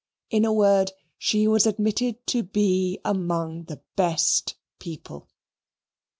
In a word, she was admitted to be among the "best" people.